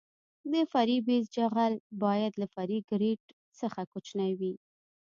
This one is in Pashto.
د فرعي بیس جغل باید له فرعي ګریډ څخه کوچنی وي